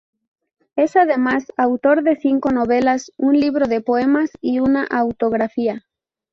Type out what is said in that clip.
Es además autor de cinco novelas, un libro de poemas y una autobiografía.